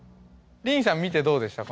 りんさん見てどうでした？